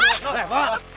gak mau sih gak mau